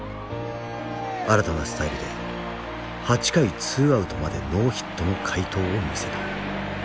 新たなスタイルで８回２アウトまでノーヒットの快投を見せた。